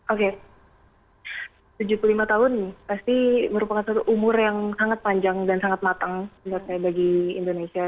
oke tujuh puluh lima tahun pasti merupakan umur yang sangat panjang dan sangat matang menurut saya bagi indonesia